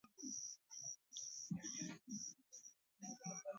Ahero bedo e dhoo nam